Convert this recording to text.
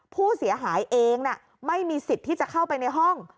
ผู้เสียหายเองไม่มีสิทธิ์ที่จะเข้าไปในห้อง